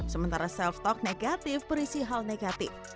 sementara self stok negatif berisi hal negatif